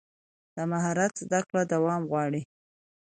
د مهارت زده کړه دوام غواړي.